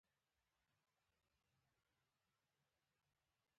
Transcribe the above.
شاه محمود بشپړ کړ.